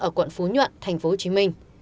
ở quận phú nhuận tp hcm